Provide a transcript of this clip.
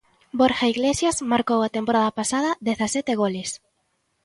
Borja Iglesias marcou a temporada pasada dezasete goles.